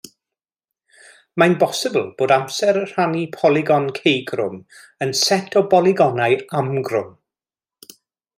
Mae'n bosibl bob amser rhannu polygon ceugrwm yn set o bolygonau amgrwm.